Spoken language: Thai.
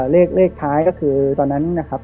เลขท้ายก็คือตอนนั้นนะครับ